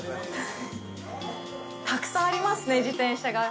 たくさんありますね、自転車が。